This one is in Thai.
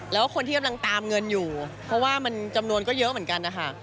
แล้วคนที่กำลังตามเงินอยู่เพราะว่ามันจำนวนก็เยอะเหมือนกันนะคะ